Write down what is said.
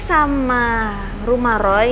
sama rumah roy